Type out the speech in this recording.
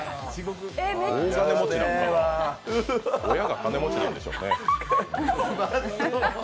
親が金持ちなんでしょうね。